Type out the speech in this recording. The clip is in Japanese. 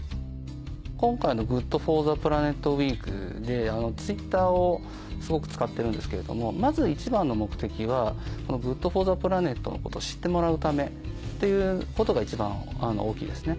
今回のＧｏｏｄＦｏｒｔｈｅＰｌａｎｅｔウィークでＴｗｉｔｔｅｒをすごく使ってるんですけれどもまず一番の目的はＧｏｏｄＦｏｒｔｈｅＰｌａｎｅｔのことを知ってもらうためということが一番大きいですね。